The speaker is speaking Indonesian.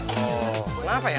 oh kenapa ya